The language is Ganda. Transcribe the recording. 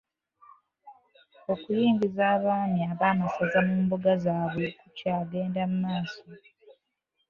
Okuyingiza abaami ab'amasaza mu mbuga zaabwe kukyagenda mu maaso.